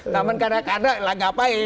namun kadang kadang lah ngapain